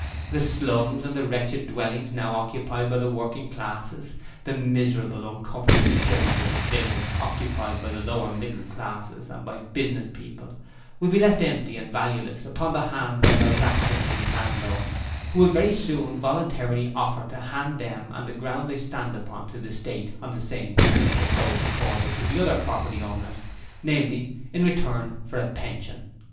The slums and the wretched dwellings now occupied by the working classes the miserable, uncomfortable, jerry built "villas" occupied by the lower middle classes and by "business" people, will be left empty and valueless upon the hands of their rack renting landlords, who will very soon voluntarily offer to hand them and the ground they stand upon to the state on the same terms as those accorded to the other property owners, namely in return for a pension.